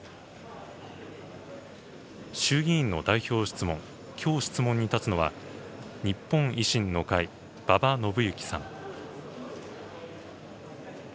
衆議院の代表質問、きょう質問に立つのは、日本維新の会、馬場伸幸さん。